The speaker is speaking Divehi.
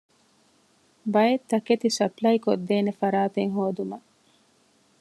ބައެއް ތަކެތި ސަޕްލައި ކޮށްދޭނެ ފަރާތެއް ހޯދުމަށް